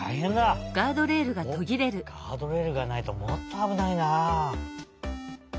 おっガードレールがないともっとあぶないなあ。